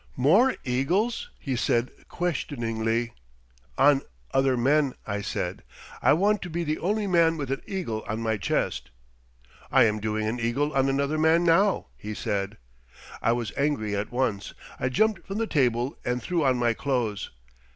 "'More eagles?' he said questioningly. "'On other men," I said. 'I want to be the only man with an eagle on my chest.' "'I am doing an eagle on another man now,' he said. "I was angry at once. I jumped from the table and threw on my clothes.